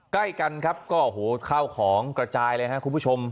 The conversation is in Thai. ใกล้กันครับก็โอ้โหข้าวของกระจายเลยครับคุณผู้ชม